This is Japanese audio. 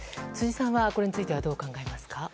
辻さんはこれについてはどう考えますか。